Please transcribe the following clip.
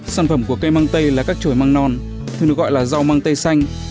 sản phẩm của cây măng tây là các trồi măng non thường được gọi là rau măng tây xanh